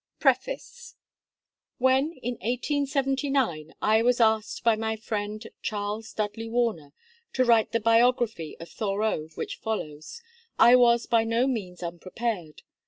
PREFACE When, in 1879, I was asked by my friend Charles Dudley Warner to write the biography of Thoreau which follows, I was by no means unprepared.